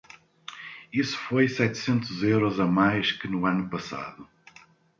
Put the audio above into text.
Isso foi setecentos euros a mais que no ano passado.